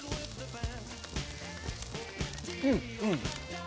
うんうん！